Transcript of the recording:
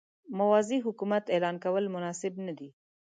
موازي حکومت اعلان کول مناسب نه دي.